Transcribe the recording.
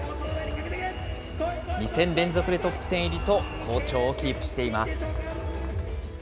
２戦連続でトップ１０入りと好調をキープしています。